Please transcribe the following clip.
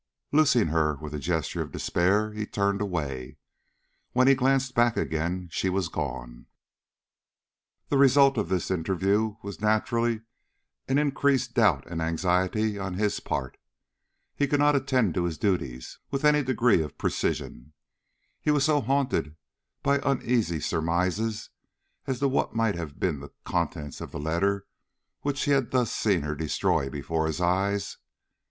Loosing her with a gesture of despair, he turned away. When he glanced back again she was gone. The result of this interview was naturally an increased doubt and anxiety on his part. He could not attend to his duties with any degree of precision, he was so haunted by uneasy surmises as to what might have been the contents of the letter which he had thus seen her destroy before his eyes.